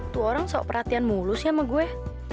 tuh orang suka perhatian mulus ya sama gue